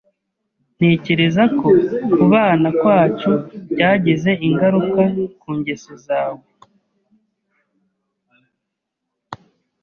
Ntekereza ko kubana kwacu byagize ingaruka ku ngeso zawe.